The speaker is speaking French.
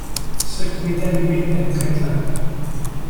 Ce qui m’est arrivé est très clair.